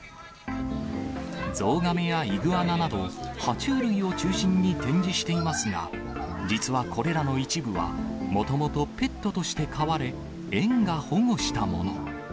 ゾウガメやイグアナなど、は虫類を中心に展示していますが、実はこれらの一部は、もともとペットとして飼われ、園が保護したもの。